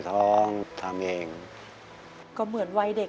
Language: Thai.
คุณหมอบอกว่าเอาไปพักฟื้นที่บ้านได้แล้ว